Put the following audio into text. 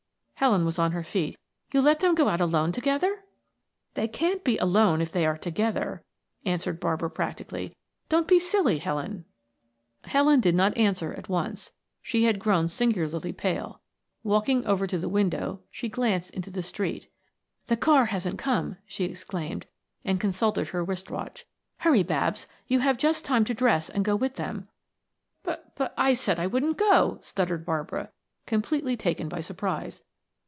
Helen was on her feet. "You let them go out alone together?" "They can't be alone if they are together," answered Barbara practically. "Don't be silly, Helen." Helen did not answer at once; she had grown singularly pale. Walking over to the window she glanced into the street. "The car hasn't come," she exclaimed, and consulted her wrist watch. "Hurry, Babs, you have just, time to dress and go with them." "B b but I said I wouldn't go," stuttered Barbara, completely taken by surprise.